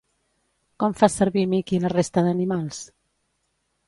Com fa servir Mickey la resta d'animals?